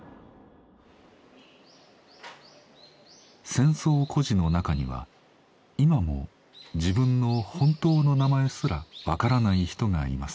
戦争孤児の中には今も自分の本当の名前すらわからない人がいます。